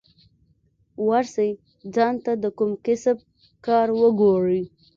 ورسئ ځان ته کوم کسب کار وگورئ.